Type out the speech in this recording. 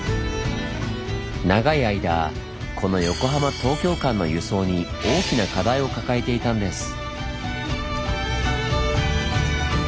長い間この「横浜−東京間」の輸送に大きな課題を抱えていたんです。